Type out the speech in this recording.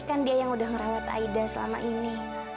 kan dia yang udah ngerawat aida selama ini